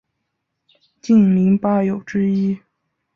竟陵八友之一。